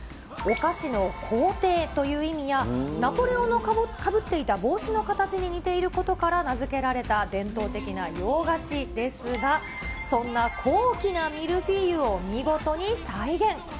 お菓子の皇帝という意味や、ナポレオンのかぶっていた帽子の形に似ていることから、名付けられた伝統的な洋菓子ですが、そんな高貴なミルフィーユを見事に再現。